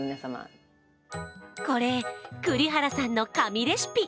これ、栗原さんの神レシピ。